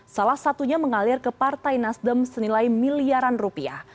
salah satunya mengalir ke partai nasdem senilai miliaran rupiah